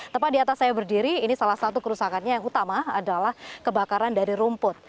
tepat di atas saya berdiri ini salah satu kerusakannya yang utama adalah kebakaran dari rumput